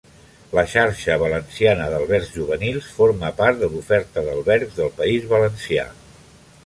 La Xarxa Valenciana d'albergs juvenils forma part de l'oferta d'albergs del País Valencià.